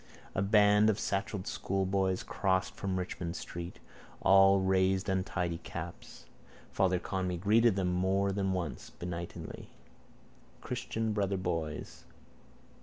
A band of satchelled schoolboys crossed from Richmond street. All raised untidy caps. Father Conmee greeted them more than once benignly. Christian brother boys.